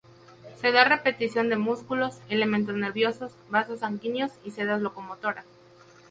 Se da repetición de músculos, elementos nerviosos, vasos sanguíneos y sedas locomotoras.